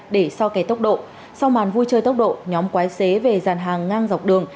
để so kẻ tốc độ sau màn vui chơi tốc độ nhóm quái xế về dàn hàng ngang dọc đường